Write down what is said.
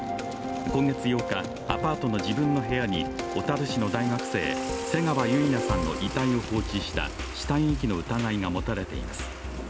今月８日、アパートの自分の部屋に小樽市の大学生瀬川結菜さんの遺体を放置した死体遺棄の疑いが持たれています。